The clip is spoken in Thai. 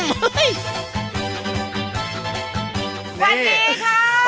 สวัสดีค่ะ